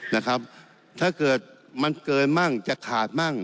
นะครับถ้าเกิดมันเกินมั่งจะขาดมั่ง